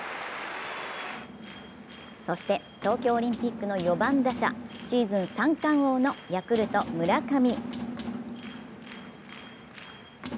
そして、東京オリンピックの４番打者、シーズン三冠王のヤクルト・村上。